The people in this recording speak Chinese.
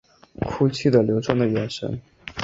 哭泣的流转的眼神